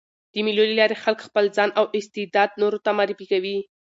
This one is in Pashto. د مېلو له لاري خلک خپل ځان او استعداد نورو ته معرفي کوي.